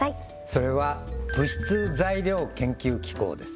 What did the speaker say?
それは物質・材料研究機構です